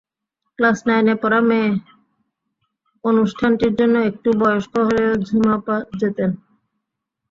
Class নাইনে পড়া মেয়ে অনুষ্ঠানটির জন্য একটু বয়স্ক হলেও ঝুমা আপা যেতেন।